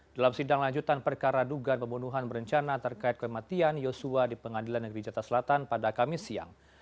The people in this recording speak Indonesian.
dalam sidang lanjutan perkara dugaan pembunuhan berencana terkait kematian yosua di pengadilan negeri jatah selatan pada kamis siang